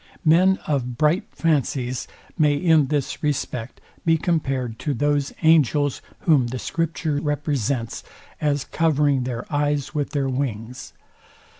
Men of bright fancies may in this respect be compared to those angels, whom the scripture represents as covering their eyes with their wings.